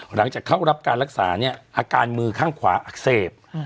หลังจากเข้ารับการรักษาเนี่ยอาการมือข้างขวาอักเสบ